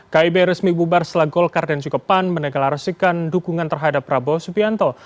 kib resmi bubar setelah golkar dan juga pan meneklarasikan dukungan terhadap prabowo subianto